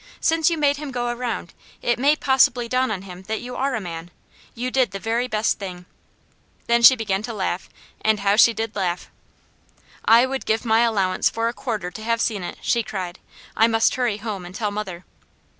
Since you made him go around, it may possibly dawn on him that you are a man. You did the very best thing." Then she began to laugh, and how she did laugh. "I would give my allowance for a quarter to have seen it," she cried. "I must hurry home and tell mother."